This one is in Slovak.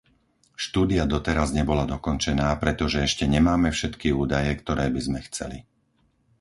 Štúdia doteraz nebola dokončená, pretože ešte nemáme všetky údaje, ktoré by sme chceli.